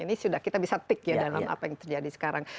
ini sudah kita bisa take ya dalam apa yang terjadi sekarang